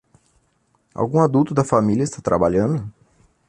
Algum adulto da família está trabalhando?